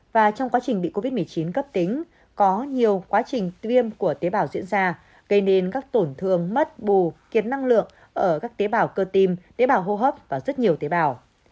và trong quá trình bị covid một mươi chín cấp tính có nhiều quá trình tiêm của tế bào diễn ra gây nên các tổn thương mất bù kiệt năng lượng ở các tế bào cơ tim tế bào hô hấp và rất nhiều tế bào